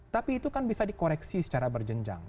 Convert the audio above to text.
tapi itu kan bisa dikoreksi secara berjenjang